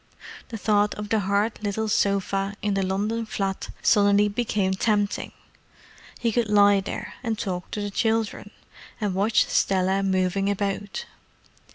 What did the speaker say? The thought of the hard little sofa in the London flat suddenly became tempting—he could lie there and talk to the children, and watch Stella moving about.